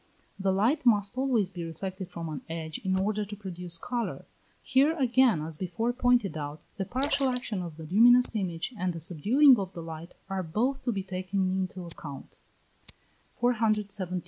The light must always be reflected from an edge in order to produce colour. Here again, as before pointed out, the partial action of the luminous image and the subduing of the light are both to be taken into the account.